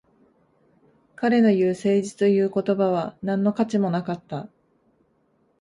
彼の言う誠実という言葉は何の価値もなかった